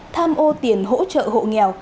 tham ô tiền hỗ trợ hộ nghèo